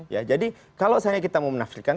ya jadi kalau saya kita mau menafsirkan